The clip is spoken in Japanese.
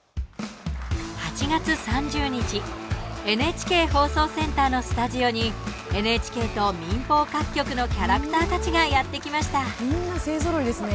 ８月３０日ＮＨＫ放送センターのスタジオにＮＨＫと民放各局のキャラクターたちがみんな勢ぞろいですね。